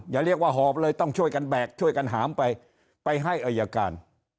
อย่าเรียกว่าหอบเลยต้องช่วยกันแบกช่วยกันหามไปไปให้อายการ